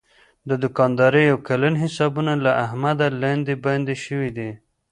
د دوکاندارۍ یو کلن حسابونه له احمده لاندې باندې شوي دي.